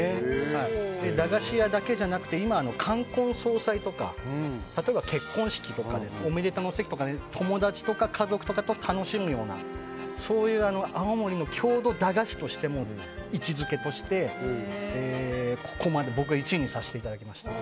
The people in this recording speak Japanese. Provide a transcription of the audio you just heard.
駄菓子屋だけでなくて冠婚葬祭とか例えば結婚式などのおめでたの席や友達とか家族とかと楽しむような青森の郷土駄菓子として位置づけとして僕が１位とさせていただきました。